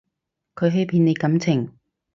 佢欺騙你感情